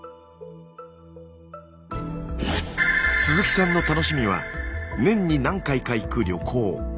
鈴木さんの楽しみは年に何回か行く旅行。